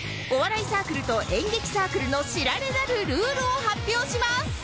お笑いサークルと演劇サークルの知られざるルールを発表します